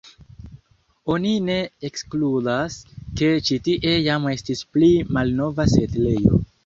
Oni ne ekskludas, ke ĉi tie jam estis pli malnova setlejo.